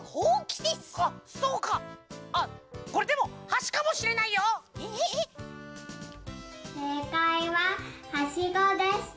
せいかいははしごでした！